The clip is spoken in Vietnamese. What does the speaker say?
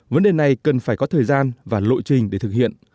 vấn đề này cần phải có thời gian và lộ trình để thực hiện